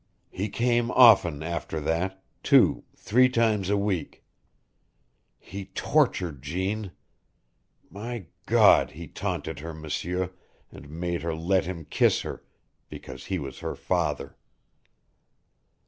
He came often after that two, three times a week. He tortured Jeanne. My God! he taunted her, M'sieur, and made her let him kiss her, because he was her father.